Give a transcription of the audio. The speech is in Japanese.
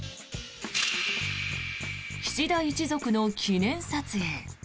岸田一族の記念撮影。